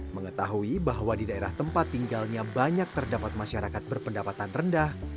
mengetahui bahwa di daerah tempat tinggalnya banyak terdapat masyarakat berpendapatan rendah